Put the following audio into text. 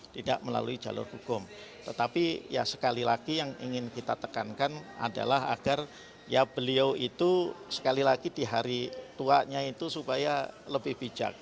tidak melalui jalur hukum tetapi ya sekali lagi yang ingin kita tekankan adalah agar ya beliau itu sekali lagi di hari tuanya itu supaya lebih bijak